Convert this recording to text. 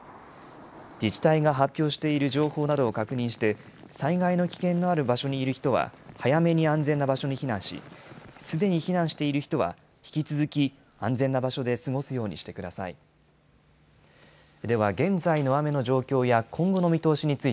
自治体が発表している情報などを確認して災害の危険のある場所にいる人は早めに安全な場所に避難し、すでに避難している人は引き続き安全な場所で過ごすようにしてください。